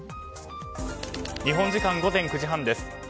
日本時間午前９時半です。